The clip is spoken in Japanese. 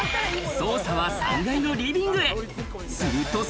捜査は３階のリビングへ。